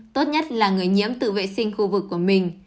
tốt nhất là người nhiễm tự vệ sinh khu vực của mình